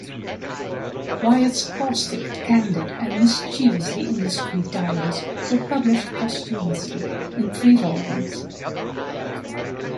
Wyatt's caustic, candid and mischievously indiscreet diaries were published posthumously in three volumes.